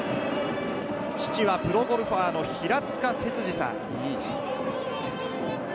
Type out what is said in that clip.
父はプロゴルファーの平塚てつじさん。